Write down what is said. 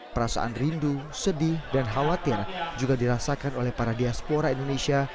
perasaan rindu sedih dan khawatir juga dirasakan oleh para diaspora indonesia